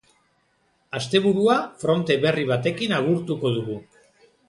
Asteburua fronte berri batekin agurtuko dugu.